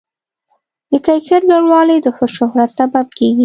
د کیفیت لوړوالی د شهرت سبب کېږي.